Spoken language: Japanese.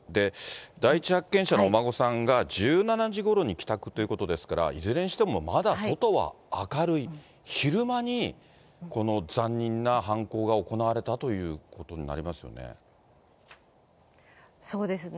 第一発見者のお孫さんが１７時ごろに帰宅ということですから、いずれにしてもまだ外は明るい、昼間にこの残忍な犯行が行われたということになりますよね。